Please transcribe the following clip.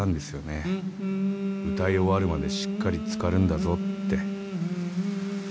［歌い終わるまでしっかり漬かるんだぞって］